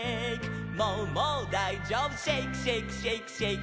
「もうもうだいじょうぶシェイクシェイクシェイクシェイク」